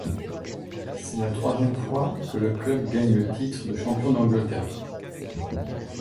C’est la troisième fois que le club gagne le titre de champion d’Angleterre.